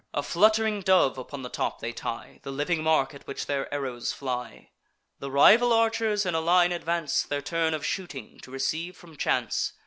A flutt'ring dove upon the top they tie, The living mark at which their arrows fly. The rival archers in a line advance, Their turn of shooting to receive from chance.